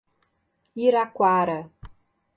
Iraquara